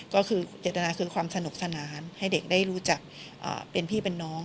ก็คือเจตนาคือความสนุกสนานให้เด็กได้รู้จักเป็นพี่เป็นน้อง